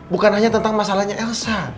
bukan hanya tentang masalahnya elsa